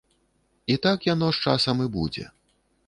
І так яно з часам і будзе.